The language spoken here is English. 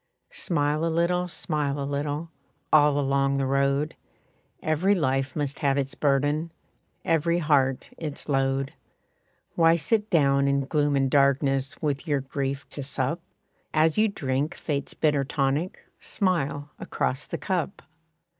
Smile a little, smile a little, All along the road; Every life must have its burden, Every heart its load. Why sit down in gloom and darkness, With your grief to sup? As you drink Fate's bitter tonic, Smile across the cup.